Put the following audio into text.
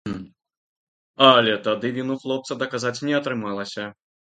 Але тады віну хлопца даказаць не атрымалася.